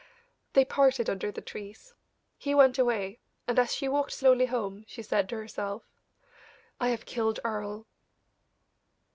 They parted under the trees. He went away, and as she walked slowly home, she said to herself: "I have killed Earle!"